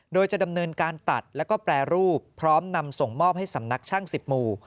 โดยจะดำเนินการตัดแล้วก็แปรรูปพร้อมนำส่งมอบให้สำนักช่าง๑๐หมู่